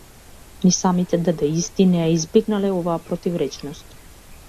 Ни самите дадаисти не ја избегнале оваа противречност.